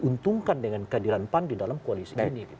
diuntungkan dengan kehadiran pan di dalam koalisi ini